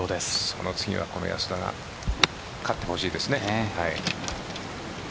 その次はこの安田が勝ってほしいですね。